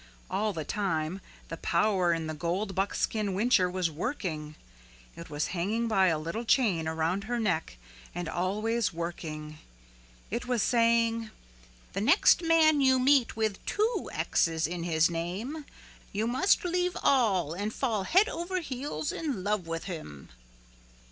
All the time the power in the gold buckskin whincher was working. It was hanging by a little chain around her neck and always working. It was saying, "The next man you meet with two X's in his name you must leave all and fall head over heels in love with him."